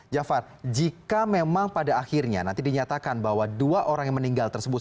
jafar jika memang pada akhirnya nanti dinyatakan bahwa dua orang yang meninggal tersebut